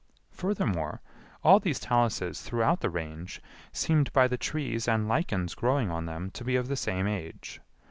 Furthermore, all these taluses throughout the Range seemed by the trees and lichens growing on them to be of the same age.